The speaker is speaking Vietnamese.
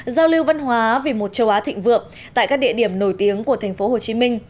giao lưu văn hóa vì một châu á thịnh vượng tại các địa điểm nổi tiếng của tp hcm